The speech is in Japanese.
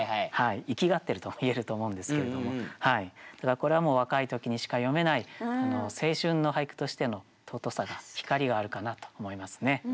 イキがってると言えると思うんですけれどもただこれはもう若い時にしか詠めない青春の俳句としての尊さが光があるかなと思いますね。